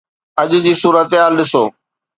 اڄ جي صورتحال ڏسو.